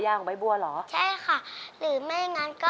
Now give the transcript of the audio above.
แล้วน้องใบบัวร้องได้หรือว่าร้องผิดครับ